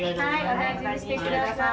はいお大事にしてください。